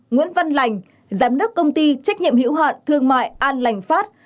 năm nguyễn văn lành giám đốc công ty trách nhiệm hiểu hạn thương mại an lành phát